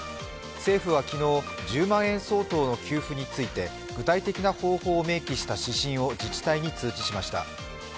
政府は昨日、１０万円相当の給付について具体的な方法を明記した指針を自治体に通知しました。